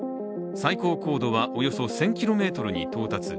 最高高度はおよそ１０００ｋｍに到達。